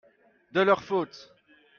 de leur faute.